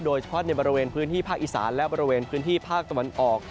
โดยเฉพาะในบริเวณพื้นที่ภาคอีสานและบริเวณพื้นที่ภาคตะวันออก